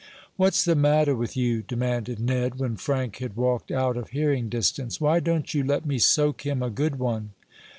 "What's the matter with you?" demanded Ned, when Frank had walked out of hearing distance. "Why don't you let me soak him a good one?"